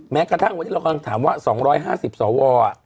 แม้กระทั่งวันที่เราถามว่า๒๕๐สว